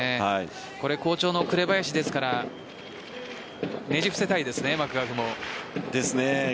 好調の紅林ですからねじ伏せたいですね、マクガフも。ですね。